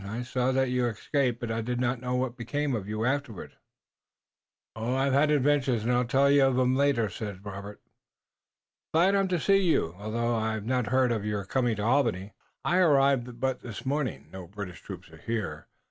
I saw that you escaped, but I did not know what became of you afterward." "I've had adventures, and I'll tell you of 'em later," said Robert. "Glad I am to see you, although I had not heard of your coming to Albany." "I arrived but this morning. No British troops are here.